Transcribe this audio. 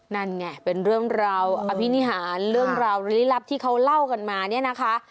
นั่นไงเป็นเรื่องราวอภินิหารเรื่องราวลี้ลับที่เขาเล่ากันมาเนี่ยนะคะ